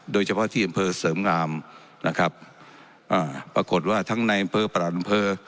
โดยเฉพาะที่อำเภอเสริมงามนะครับอ่าปรากฏว่าทั้งในอำเภอประหลัดอำเภอ